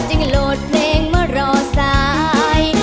โหลดเพลงมารอสาย